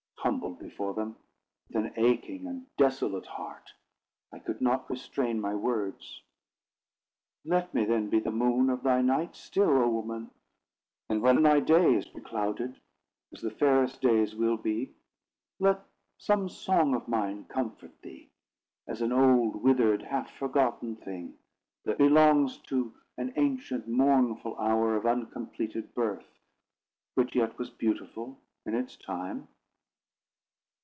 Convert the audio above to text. Humbled before them, with an aching and desolate heart, I yet could not restrain my words: "Let me, then, be the moon of thy night still, O woman! And when thy day is beclouded, as the fairest days will be, let some song of mine comfort thee, as an old, withered, half forgotten thing, that belongs to an ancient mournful hour of uncompleted birth, which yet was beautiful in its time."